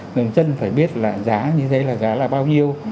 người dân phải biết là giá như thế là giá là bao nhiêu